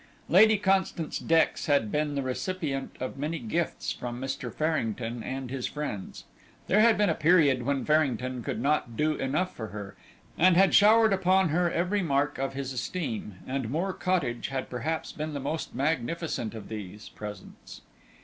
Lady Constance Dex had been the recipient of many gifts from Mr. Farrington and his friends. There had been a period when Farrington could not do enough for her, and had showered upon her every mark of his esteem, and Moor Cottage had perhaps been the most magnificent of these presents.